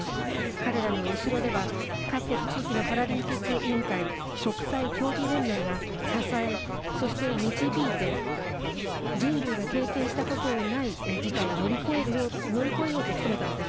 彼らの後ろでは各国、地域のパラリンピック委員会国際競技連盟が支えそして導いて人類が経験したことのない事態を乗り越えようと務めたのです。